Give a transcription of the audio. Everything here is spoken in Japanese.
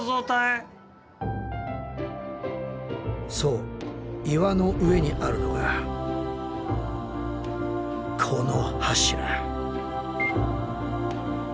そう岩の上にあるのがこの柱。